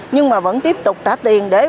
nhưng mà vẫn tiếp tục trả tiền